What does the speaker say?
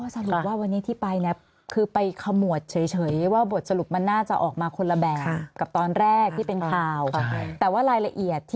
สรุปว่าวันนี้ที่ไปเนี่ยคือไปขมวดเฉย